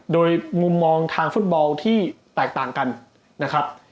โดยมุมมองทางฟุตบอลที่แตกต่างกันนะครับ